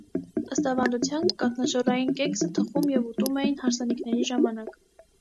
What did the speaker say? Ըստ ավանդության՝ կաթնաշոռային կեքսը թխում և ուտում էին հարսանիքների ժամանակ։